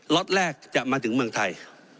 ล็อตแรกจะมาถึงเมืองไทย